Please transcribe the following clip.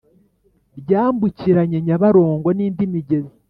ryambukiranye nyabarongo nindi migezi